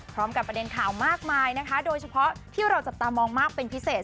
ประเด็นข่าวมากมายนะคะโดยเฉพาะที่เราจับตามองมากเป็นพิเศษ